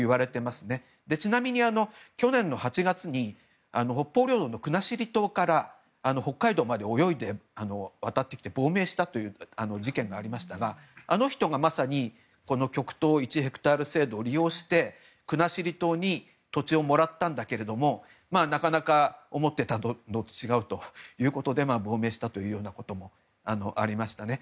ちなみに、去年の８月に北方領土の国後島から北海道まで泳いで渡ってきて亡命したという事件がありましたがあの人がまさに極東１ヘクタール制度を利用して国後島に土地をもらったんだけどもなかなか思ってたのと違うということで亡命したということもありましたね。